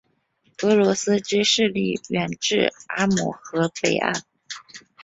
俄罗斯之势力远至阿姆河北岸。